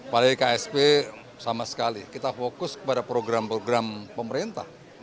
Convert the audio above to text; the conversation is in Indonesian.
pada ksp sama sekali kita fokus kepada program program pemerintah